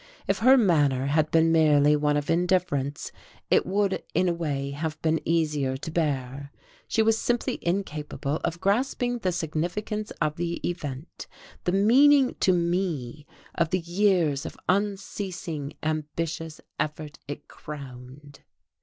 If her manner had been merely one of indifference, it would in a way have been easier to bear; she was simply incapable of grasping the significance of the event, the meaning to me of the years of unceasing, ambitious effort it crowned.